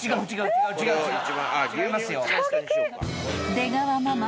［出川ママ。